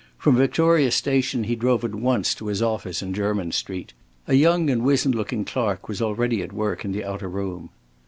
From Victoria Station he drove at once to his office in Jermyn Street. A young and wizened looking clerk was already at work in the outer room.